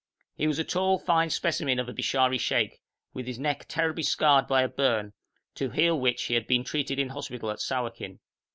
He was a tall, fine specimen of a Bishari sheikh, with his neck terribly scarred by a burn, to heal which he had been treated in hospital at Sawakin.